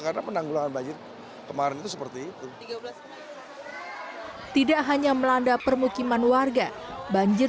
karena penanggulangan banjir kemarin itu seperti itu tidak hanya melanda permukiman warga banjir